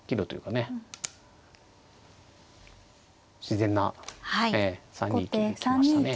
自然な３二金で行きましたね。